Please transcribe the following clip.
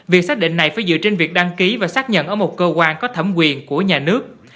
việc xác định này phải dựa trên việc đăng ký và xác nhận ở một cơ quan có thẩm quyền của nhà nước